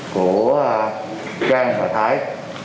của trang và thái